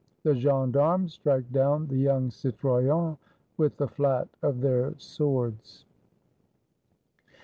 The Gendarmes strike down the young Citoyen with the fiat of their swords.